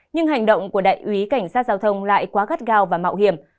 nhưng hành động của đại úy cảnh sát giao thông lại quá gắt gao và mạo hiểm